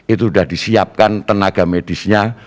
itu sudah disiapkan tenaga medisnya